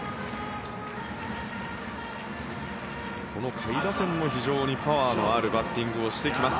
この下位打線も非常にパワーのあるバッティングをしてきます。